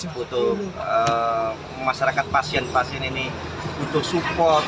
butuh masyarakat pasien pasien ini butuh support